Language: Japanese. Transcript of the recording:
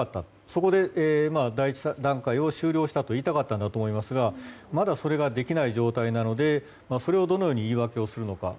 そこで第１段階を終了したと言いたかったと思いますがまだそれができない状態なのでそれをどのように言い訳をするのか。